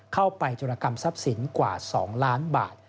เข้าไปจรกรรมทรัพย์สินกว่า๒ล้านบาท